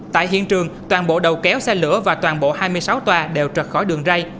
tại hiện trường toàn bộ đầu kéo xe lửa và toàn bộ hai mươi sáu toa đều trật khỏi đường rây